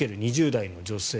２０代の女性